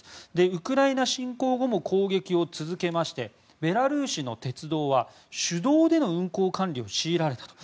ウクライナ侵攻後も攻撃を続けましてベラルーシの鉄道は手動での運行管理を強いられたと。